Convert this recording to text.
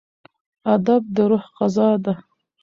ادب د روح غذا ده.